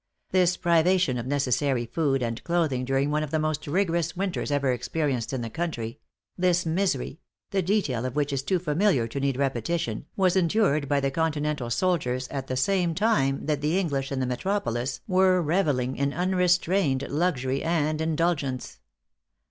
This privation of necessary food and clothing during one of the most rigorous winters ever experienced in the country this misery the detail of which is too familiar to need repetition, was endured by the continental soldiers at the same time that the English in the metropolis were revelling in unrestrained luxury and indulgence.